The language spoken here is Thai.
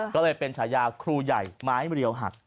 ก็เลยเป็นฉายาครูใหญ่ไม้เรียวหัก